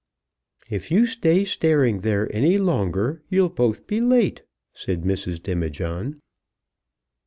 "If you stay staring there any longer you'll both be late," said Mrs. Demijohn.